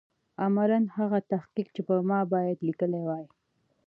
عملاً هغه تحقیق چې ما باید لیکلی وای.